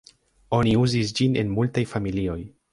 Oni uzis ĝin en multaj familioj.